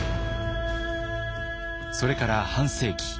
それから半世紀。